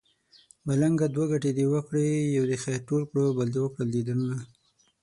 ملنګه دوه ګټې دې وکړې يو دې خير ټول کړو بل دې وکړل ديدنونه